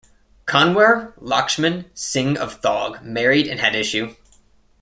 Kanwar Lakshman Singh of Thog, married and had issue.